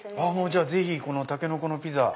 じゃあぜひたけのこのピザ。